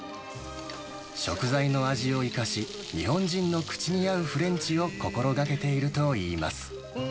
食材の味を生かし、日本人の口に合うフレンチを心がけているといいます。